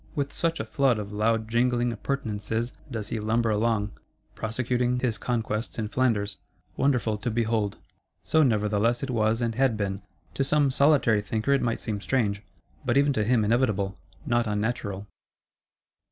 With such a flood of loud jingling appurtenances does he lumber along, prosecuting his conquests in Flanders; wonderful to behold. So nevertheless it was and had been: to some solitary thinker it might seem strange; but even to him inevitable, not unnatural.